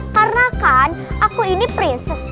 karena kan aku ini prinses